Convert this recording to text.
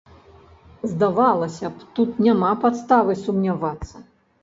Здавалася б, тут няма падставы сумнявацца.